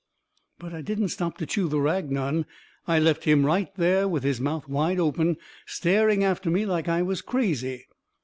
But I didn't stop to chew the rag none. I left him right there, with his mouth wide open, staring after me like I was crazy.